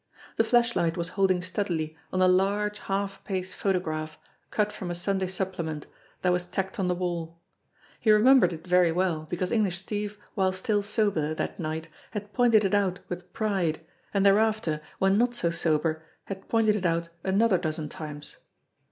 The flashlight was holding steadily on a large, half page photograph, cut from a Sunday supplement, that was tacked on the wall. He remembered it very well because English Steve while still sober that night had pointed it out with pride, and thereafter when not so sober had pointed it out another dozen times.